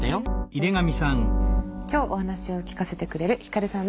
今日お話を聞かせてくれるひかるさんです。